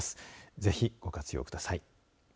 ぜひ、ご活用ください。